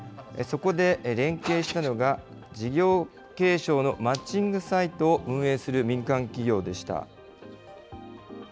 そこで連携したのが、事業継承のマッチングサイトを運営する民間企業でした。